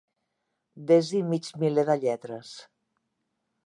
Desi mig miler de lletres.